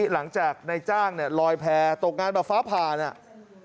หลังจากนายจ้างเนี่ยลอยแพร่ตกงานแบบฟ้าผ่าเนี่ย